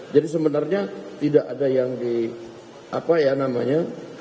jadi sebenarnya tidak ada yang di apa ya namanya